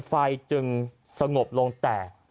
ไฟจึงสงบลงแต่